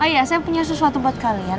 oh iya saya punya sesuatu buat kalian